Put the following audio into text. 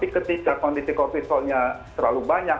tapi ketika kondisi kortisolnya terlalu banyak